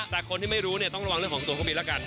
แต่คนที่ไม่รู้นี่เราต้องระวังของตัวเครื่องบิน